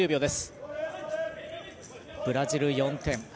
ブラジル４点。